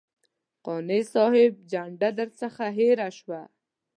قانع صاحب جنډه درڅخه هېره شوه.